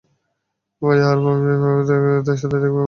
ভাইয়া আর ভাবি এভাবে সাথে দেখে, খুব ভালো লাগছে।